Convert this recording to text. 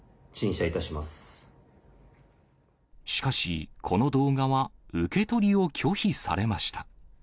しかし、この動画は受け取りを拒否されました。